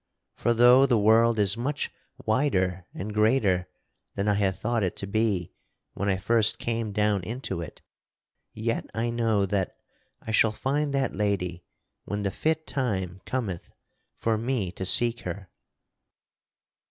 For though the world is much wider and greater than I had thought it to be when I first came down into it, yet I know that I shall find that lady when the fit time cometh for me to seek her."